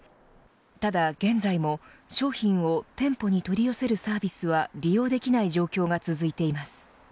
ただ現在も商品を店舗に取り寄せるサービスは利用できない状況が続いています。